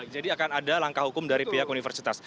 jadi akan ada langkah hukum dari pihak universitas